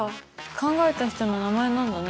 考えた人の名前なんだね。